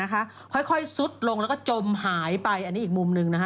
ค่อยซุดลงแล้วก็จมหายไปอันนี้อีกมุมหนึ่งนะคะ